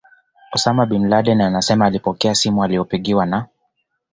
Osama Bin Laden anasema alipokea simu aliyopigiwa na